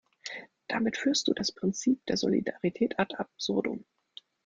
Damit führst du das Prinzip der Solidarität ad absurdum.